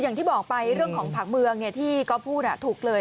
อย่างที่บอกไปเรื่องของผังเมืองที่ก๊อฟพูดถูกเลย